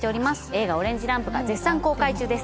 映画「オレンジ・ランプ」が絶賛公開中です